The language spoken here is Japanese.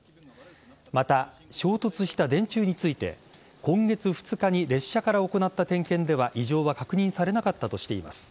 また、衝突した電柱について今月２日に列車から行った点検では異常は確認されなかったとしています。